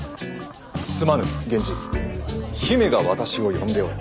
すまぬ源氏姫が私を呼んでおる。